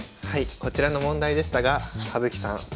はいこちらの問題でしたが葉月さん